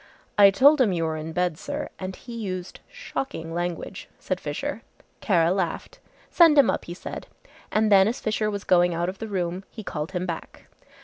"I told him you were in bed, sir, and he used shocking language," said Fisher. Kara laughed. "Send him up," he said, and then as Fisher was going out of the room he called him back.